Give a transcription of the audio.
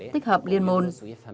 tích hợp liên môn